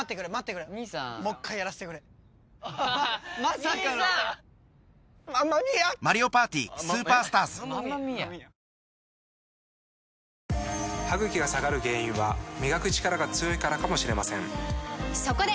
さらに歯ぐきが下がる原因は磨くチカラが強いからかもしれませんそこで！